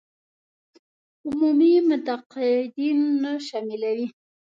عمومي متقاعدين نه شاملوي.